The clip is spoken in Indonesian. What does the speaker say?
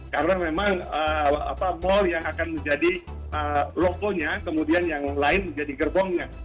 karena memang mall yang akan menjadi logonya kemudian yang lain menjadi gerbongnya